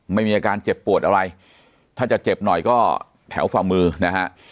ไม่มีอาการเจ็บปวดอะไรถ้าจะเจ็บหน่อยก็แถวฝ่ามือนะฮะ